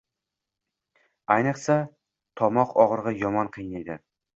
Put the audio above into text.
Ayniqsa, tomoq og‘rig‘i yomon qiynaydi.